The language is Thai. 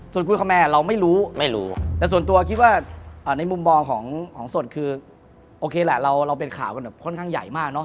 ส่วนคุยกับแม่เราไม่รู้ไม่รู้แต่ส่วนตัวคิดว่าในมุมมองของสดคือโอเคแหละเราเป็นข่าวกันแบบค่อนข้างใหญ่มากเนอ